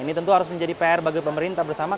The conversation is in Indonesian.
ini tentu harus menjadi pr bagi pemerintah bersama